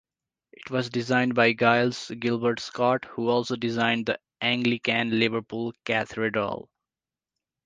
It was designed by Giles Gilbert Scott, who also designed the Anglican Liverpool Cathedral.